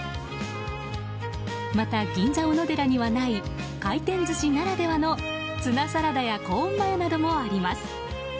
また銀座おのでらにはない回転寿司ならではのツナサラダやコーンマヨなどもあります。